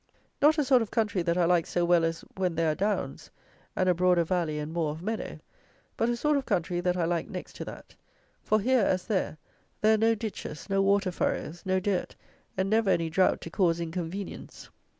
Not a sort of country that I like so well as when there are downs and a broader valley and more of meadow; but a sort of country that I like next to that; for, here, as there, there are no ditches, no water furrows, no dirt, and never any drought to cause inconvenience.